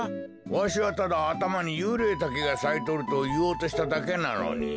わしはただあたまにユウレイタケがさいとるといおうとしただけなのに。